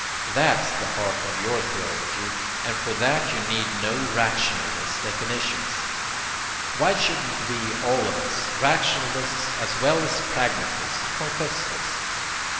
THAT'S the heart of your theology, and for that you need no rationalist definitions. Why shouldn't we all of us, rationalists as well as pragmatists, confess this?